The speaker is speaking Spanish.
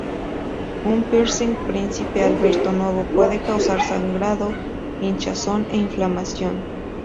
Un piercing Príncipe Alberto nuevo puede causar sangrado, hinchazón e inflamación.